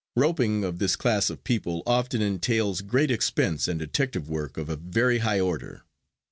"Roping" of this class of people often entails great expense and detective work of a very high order.